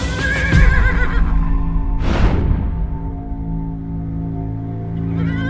untuk memencang kekuatan musuh